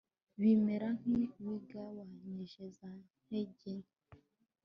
bimera nki bigabanyije za ntege nke